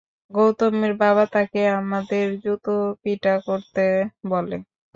গৌতমের বাবা তাকে আমাদের জুতোপিটা করতে বলে।